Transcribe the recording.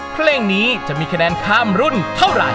เพลงนี้จะมีคะแนนข้ามรุ่นเท่าไหร่